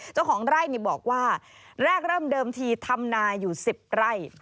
เจ้าของไร่นี่บอกว่าแรกเริ่มเดิมทีทำนาอยู่๑๐ไร่